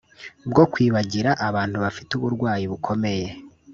bwo kwibagira abantu bafite uburwayi bukomeye